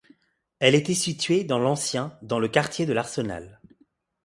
Elle était située dans l'ancien dans le quartier de l'Arsenal.